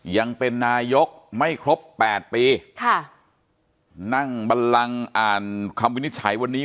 ยังเป็นนายกไม่ครบแปดปีค่ะนั่งบันลังอ่านคำวินิจฉัยวันนี้